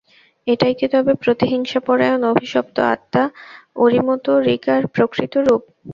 এটাই কি তবে প্রতিহিংসাপরায়ণ অভিশপ্ত আত্মা ওরিমোতো রিকার প্রকৃত রূপ?